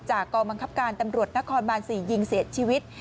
กองบังคับการตำรวจนครบาน๔ยิงเสียชีวิต